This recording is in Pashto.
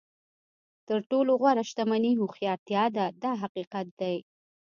تر ټولو غوره شتمني هوښیارتیا ده دا حقیقت دی.